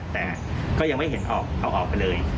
แต่ก็ยังไม่เห็นออกเอาออกไปเลย